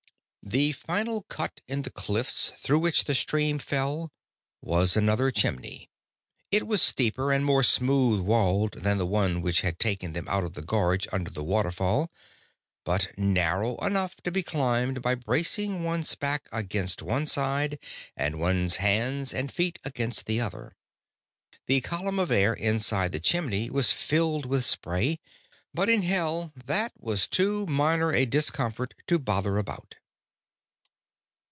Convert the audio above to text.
The final cut in the cliffs through which the stream fell was another chimney. It was steeper and more smooth walled than the one which had taken them out of the gorge under the waterfall, but narrow enough to be climbed by bracing one's back against one side, and one's hands and feet against the other. The column of air inside the chimney was filled with spray, but in Hell that was too minor a discomfort to bother about.